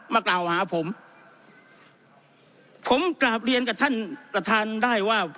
มากล่าวหาผมผมกราบเรียนกับท่านประธานได้ว่า